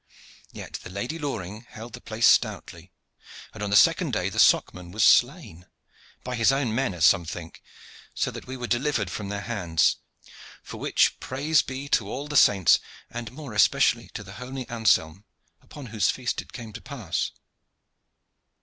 Yet the Lady Loring held the place stoutly, and on the second day the Socman was slain by his own men, as some think so that we were delivered from their hands; for which praise be to all the saints, and more especially to the holy Anselm, upon whose feast it came to pass.